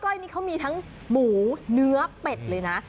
ก็ให้มีหมูเนื้อเป็ดเลยนะ